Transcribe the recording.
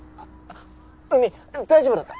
うみ大丈夫だった？